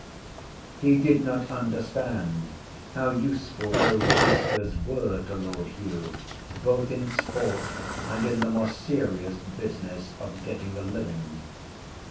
He did not understand how useful those whiskers were to Lord Hugh, both in sport and in the more serious business of getting a living.